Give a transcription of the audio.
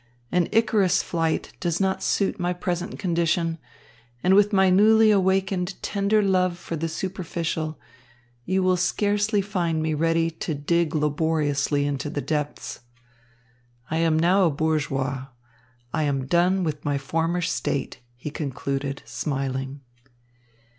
An Icarus flight does not suit my present condition, and with my newly awakened tender love for the superficial, you will scarcely find me ready to dig laboriously into the depths. I am now a bourgeois. I am done with my former state," he concluded, smiling.